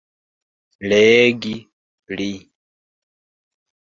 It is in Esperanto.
Legi pli.